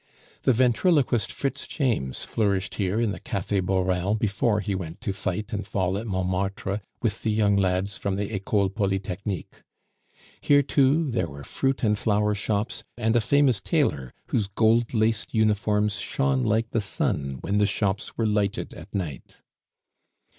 The ventriloquist Fritz James flourished here in the Cafe Borel before he went to fight and fall at Montmartre with the young lads from the Ecole polytechnique. Here, too, there were fruit and flower shops, and a famous tailor whose gold laced uniforms shone like the sun when the shops were lighted at night.